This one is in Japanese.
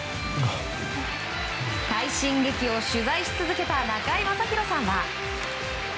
快進撃を取材し続けた中居正広さんは。